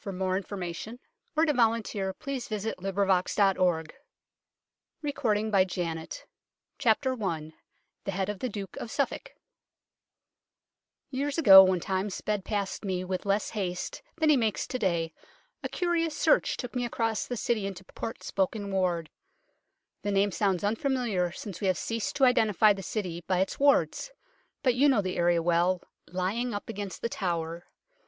178 KING CHARLES II. IN WAX EFFIGY .. 192 BELFRY TOWER OF ST CLEMENT DANES, STRAND 232 UNKNOWN LONDON THE HEAD OF THE DUKE OF SUFFOLK YEARS ago, when Time sped past me with less haste than he makes to day, a curious search took me across the City into Portsoken Ward. The name sounds unfamiliar since we have ceased to identify the City by its wards, but you know the area well, lying up against The Tower.